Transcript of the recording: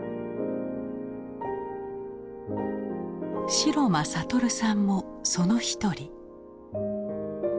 城間悟さんもその一人。